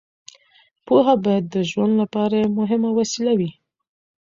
پوهه باید د ژوند لپاره یوه مهمه وسیله وي.